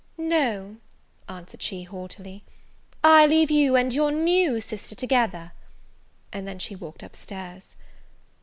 "No," answered she, haughtily, "I leave you and your new sister together:" and then she walked up stairs.